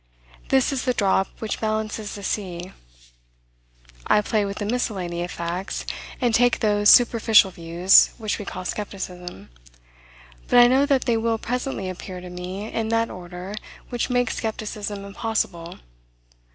This is the drop which balances the sea. I play with the miscellany of facts, and take those superficial views which we call skepticism; but I know that they will presently appear to me in that order which makes skepticism impossible.